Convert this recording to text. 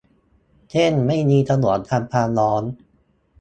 เช่นไม่มีฉนวนกันความร้อน